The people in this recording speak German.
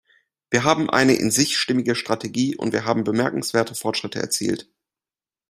Wir haben eine in sich stimmige Strategie, und wir haben bemerkenswerte Fortschritte erzielt.